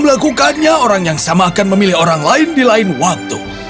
dan jika kau melakukannya orang orang akan memilih orang lain di lain waktu